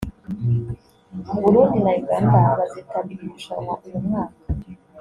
Burundi na Uganda bazitabira iri rushanwa uyu mwaka